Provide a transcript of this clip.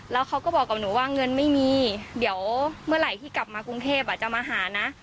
แล้วเขาก็บอกกับหนูว่าเงินไม่มีเดี๋ยวเมื่อไหร่ที่กลับมากรุงเทพจะมาหานะ